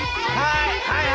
はい！